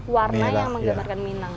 warna yang menggambarkan minang